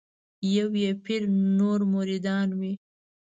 یو یې پیر نور مریدان وي